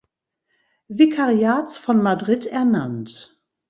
Vikariats von Madrid ernannt.